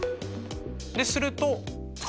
すると∠